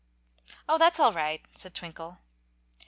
"Oh, that's all right," said Twinkle.